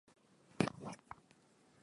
Jana nilifika mapema